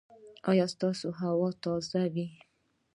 ایا ستاسو هوا به تازه وي؟